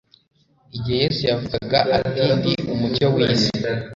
igihe Yesu yavugaga ati: "ndi Umucyo w'isi",